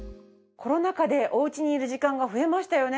コロナ禍でおうちにいる時間が増えましたよね。